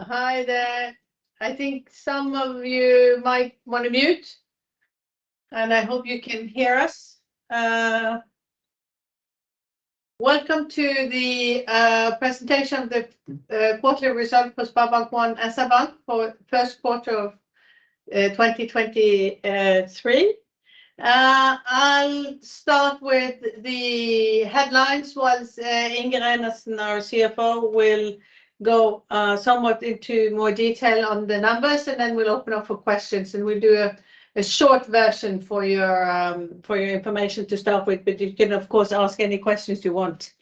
Hi there. I think some of you might wanna mute, and I hope you can hear us. Welcome to the presentation of the quarterly results for SpareBank 1 Sør-Norge for first quarter of 2023. I'll start with the headlines while Inge Reinertsen, our CFO, will go somewhat into more detail on the numbers, and then we'll open up for questions. We'll do a short version for your information to start with, but you can, of course, ask any questions you want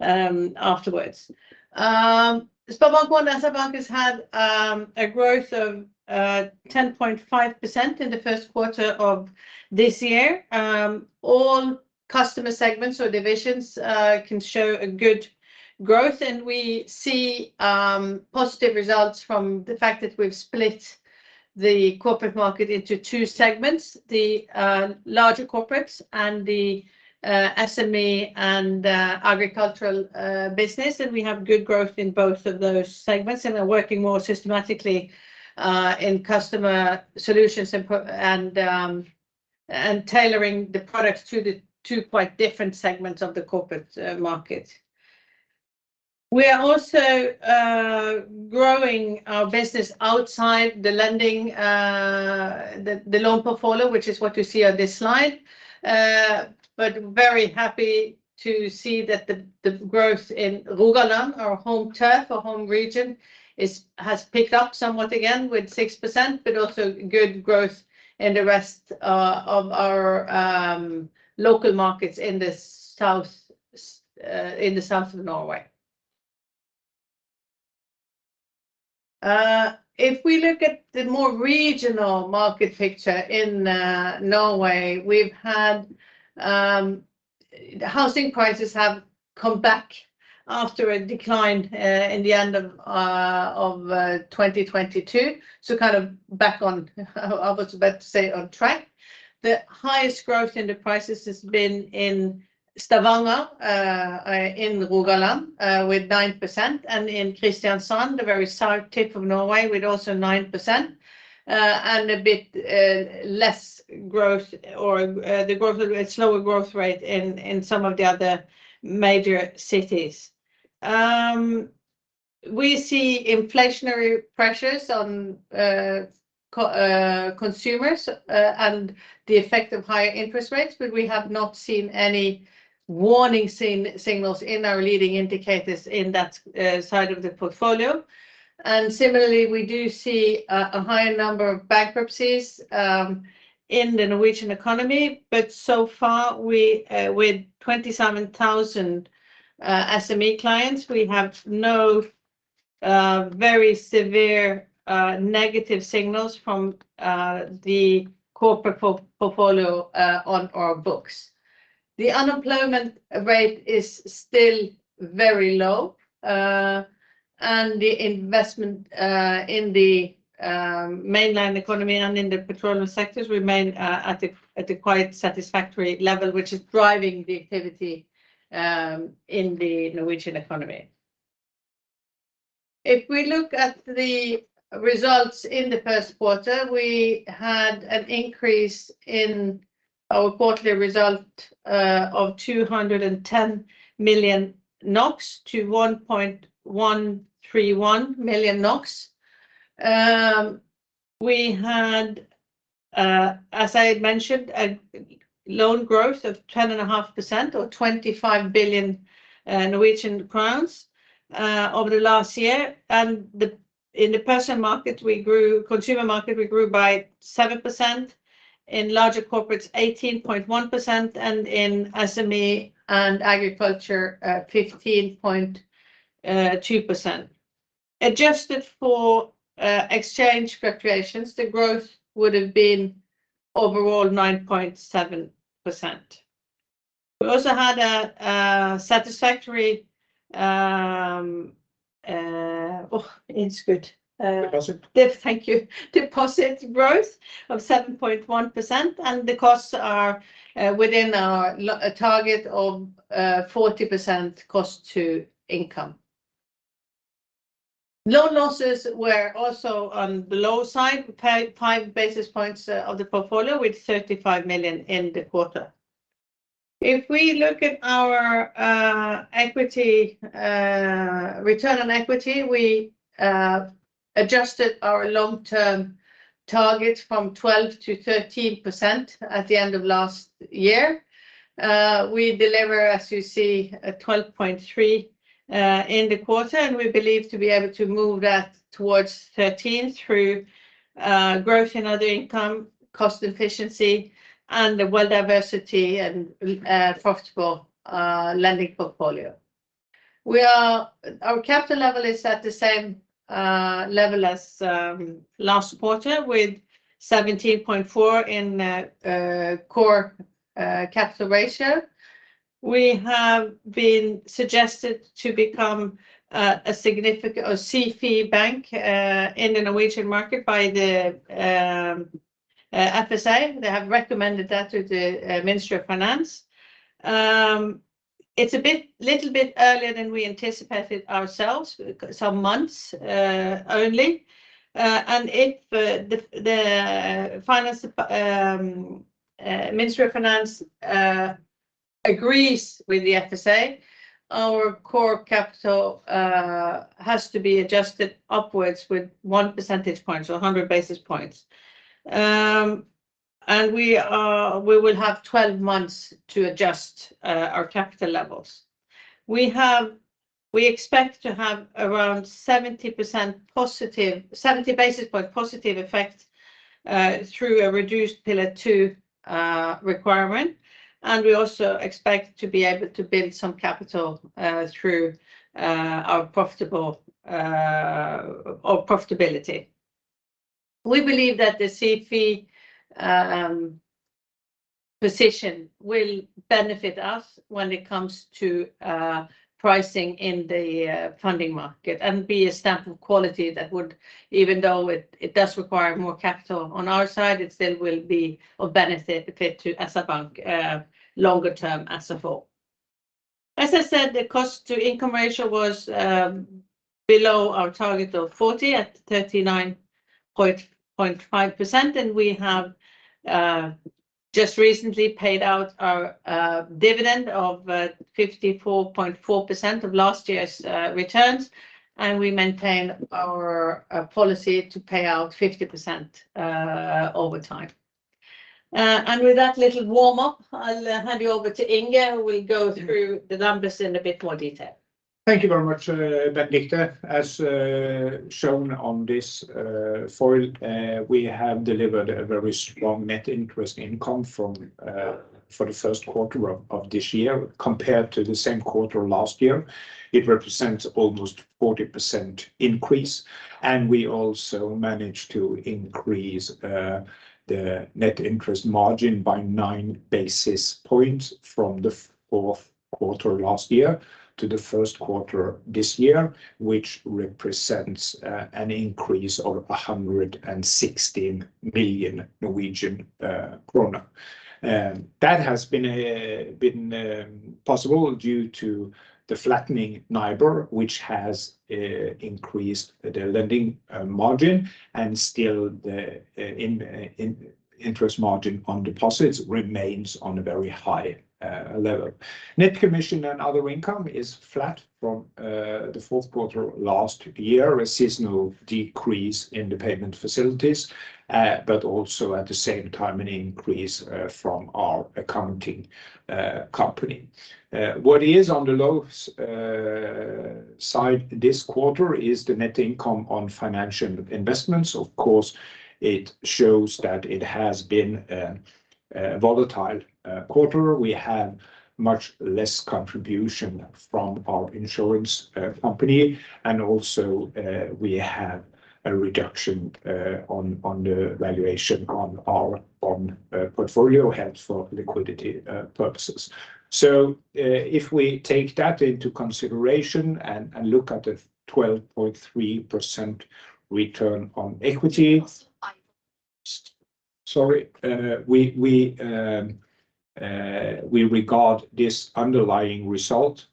afterwards. SpareBank 1 Sør-Norge has had a growth of 10.5% in the first quarter of this year. All customer segments or divisions can show a good growth, and we see positive results from the fact that we've split the corporate market into two segments, the larger corporates and the SME and agricultural business. We have good growth in both of those segments and are working more systematically in customer solutions and tailoring the products to the two quite different segments of the corporate market. We are also growing our business outside the lending, the loan portfolio, which is what you see on this slide. Very happy to see that the growth in Rogaland, our home turf, our home region, has picked up somewhat again with 6%, but also good growth in the rest of our local markets in the south of Norway. If we look at the more regional market picture in Norway, we've had housing prices have come back after a decline in the end of 2022, so kind of back on, I was about to say on track. The highest growth in the prices has been in Stavanger in Rogaland with 9%, and in Kristiansand, the very south tip of Norway, with also 9%. And a bit less growth or the growth, a slower growth rate in some of the other major cities. We see inflationary pressures on consumers and the effect of higher interest rates, but we have not seen any warning signals in our leading indicators in that side of the portfolio. Similarly, we do see a higher number of bankruptcies in the Norwegian economy. So far, we, with 27,000 SME clients, we have no very severe negative signals from the corporate portfolio on our books. The unemployment rate is still very low. The investment in the mainland economy and in the petroleum sectors remain at a quite satisfactory level, which is driving the activity in the Norwegian economy. If we look at the results in the first quarter, we had an increase in our quarterly result of 210 million NOK to 1.131 million NOK. We had, as I had mentioned, a loan growth of 10.5%, or 25 billion Norwegian crowns, over the last year. In the consumer market, we grew by 7%. In larger corporates, 18.1%, and in SME and agriculture, 15.2%. Adjusted for exchange fluctuations, the growth would have been overall 9.7%. We also had a satisfactory innskudd. Deposit. Thank you. Deposit growth of 7.1%. The costs are within our target of 40% cost-to-income. Loan losses were also on the low side, 5 basis points of the portfolio with 35 million in the quarter. If we look at our equity, return on equity, we adjusted our long-term target from 12%-13% at the end of last year. We deliver, as you see, a 12.3% in the quarter, and we believe to be able to move that towards 13% through growth in other income, cost efficiency, and the wide diversity and profitable lending portfolio. Our capital level is at the same level as last quarter, with 17.4% in core capital ratio. We have been suggested to become a significant SIFI bank in the Norwegian market by the FSA. They have recommended that to the Ministry of Finance. It's a little bit earlier than we anticipated ourselves, some months only. If the Ministry of Finance agrees with the FSA, our core capital has to be adjusted upwards with 1 percentage point, so 100 basis points. We will have 12 months to adjust our capital levels. We expect to have around 70 basis point positive effect through a reduced Pillar 2 requirement, and we also expect to be able to build some capital through our profitability. We believe that the CET1 position will benefit us when it comes to pricing in the funding market and be a stamp of quality that would, even though it does require more capital on our side, it still will be of benefit to the bank longer term as a whole. As I said, the cost-to-income ratio was below our target of 40 at 39.5%, and we have just recently paid out our dividend of 54.4% of last year's returns, and we maintain our policy to pay out 50% over time. With that little warm-up, I'll hand you over to Inge, who will go through the numbers in a bit more detail. Thank you very much, Benedicte. As shown on this foil, we have delivered a very strong net interest income for the first quarter of this year. Compared to the same quarter last year, it represents almost 40% increase. We also managed to increase the net interest margin by 9 basis points from the fourth quarter last year to the first quarter this year, which represents an increase of 116 million Norwegian krone. That has been possible due to the flattening NIBOR, which has increased the lending margin and still the interest margin on deposits remains on a very high level. Net commission and other income is flat from the fourth quarter last year. A seasonal decrease in the payment facilities, but also at the same time, an increase from our accounting company. What is on the low side this quarter is the net income on financial investments. Of course, it shows that it has been a volatile quarter. We have much less contribution from our insurance company, and also we have a reduction on the valuation on our bond portfolio held for liquidity purposes. If we take that into consideration and look at the 12.3% return on equity. Sorry. We regard this underlying result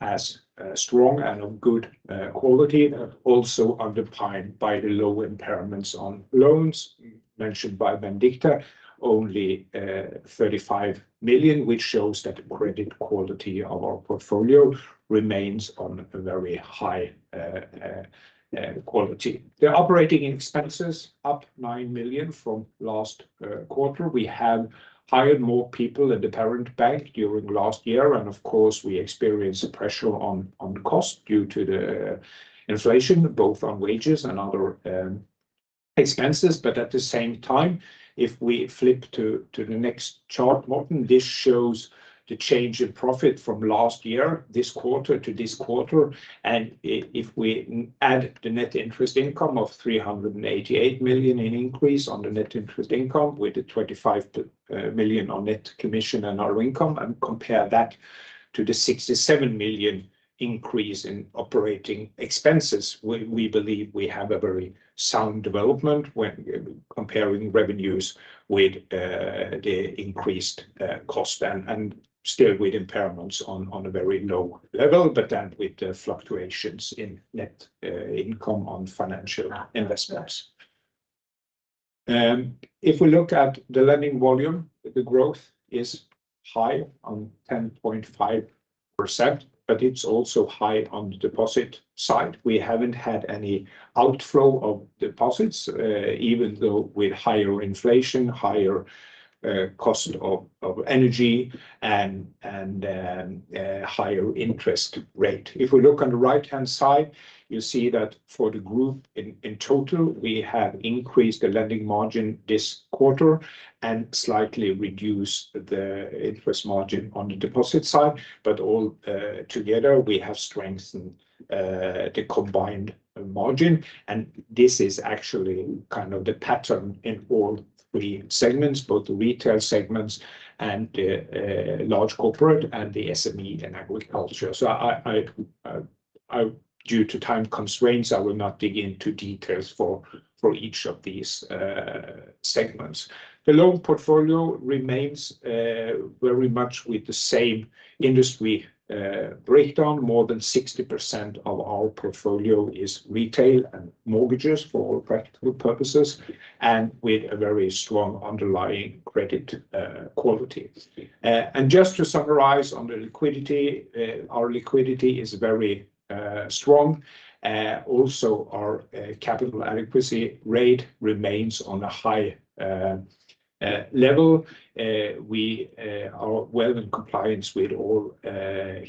as strong and of good quality, also underpinned by the low impairments on loans mentioned by Benedikte. Only 35 million, which shows that the credit quality of our portfolio remains on a very high quality. The operating expenses up 9 million from last quarter. Of course, we have hired more people at the parent bank during last year, and we experienced a pressure on cost due to the inflation, both on wages and other expenses. At the same time, if we flip to the next chart, Morten, this shows the change in profit from last year this quarter to this quarter. If we add the net interest income of 388 million in increase on the net interest income with the 25 million on net commission and other income and compare that to the 67 million increase in operating expenses, we believe we have a very sound development when comparing revenues with the increased cost and still with impairments on a very low level, with the fluctuations in net income on financial investments. If we look at the lending volume, the growth is high on 10.5%, but it's also high on the deposit side. We haven't had any outflow of deposits, even though with higher inflation, higher cost of energy and higher interest rate. If we look on the right-hand side, you see that for the group in total, we have increased the lending margin this quarter and slightly reduced the interest margin on the deposit side. All together, we have strengthened the combined margin, and this is actually kind of the pattern in all three segments, both the retail segments and the large corporate and the SME and agriculture. I, due to time constraints, I will not dig into details for each of these segments. The loan portfolio remains very much with the same industry breakdown. More than 60% of our portfolio is retail and mortgages for all practical purposes, and with a very strong underlying credit quality. Just to summarize on the liquidity, our liquidity is very strong. Also our Capital Adequacy rate remains on a high level. We are well in compliance with all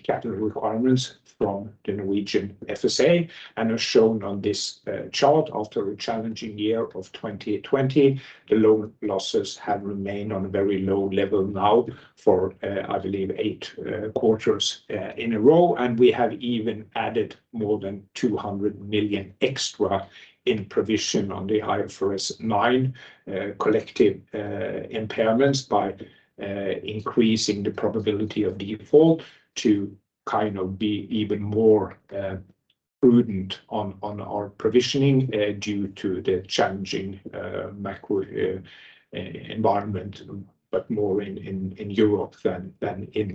capital requirements from the Norwegian FSA. As shown on this chart, after a challenging year of 2020, the loan losses have remained on a very low level now for, I believe, 8 quarters in a row. We have even added more than 200 million extra in provision on the IFRS 9 collective impairments by increasing the Probability of Default to kind of be even more prudent on our provisioning due to the challenging macro environment, but more in Europe than in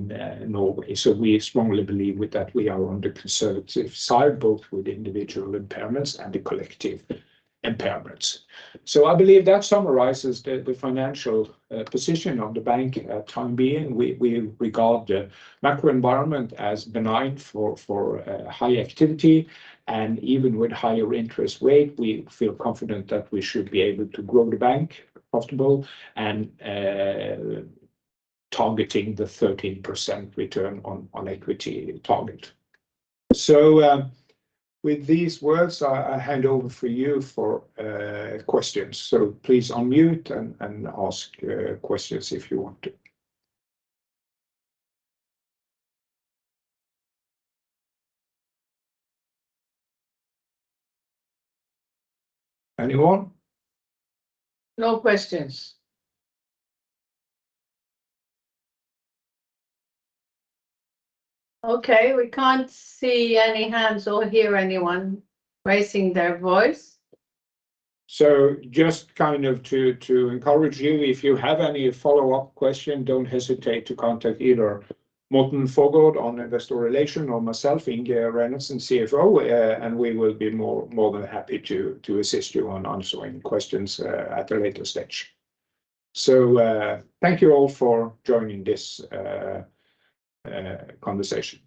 Norway. We strongly believe with that we are on the conservative side, both with individual impairments and the collective impairments. I believe that summarizes the financial position of the bank at time being. We regard the macro environment as benign for high activity. Even with higher interest rate, we feel confident that we should be able to grow the bank profitable and targeting the 13% return on equity target. With these words, I hand over for you for questions. Please unmute and ask questions if you want to. Anyone? No questions. Okay. We can't see any hands or hear anyone raising their voice. Just kind of to encourage you, if you have any follow-up question, don't hesitate to contact either Morten Forgaard on investor relations or myself, Inge Reinertsen, CFO, and we will be more than happy to assist you on answering questions at a later stage. Thank you all for joining this conversation.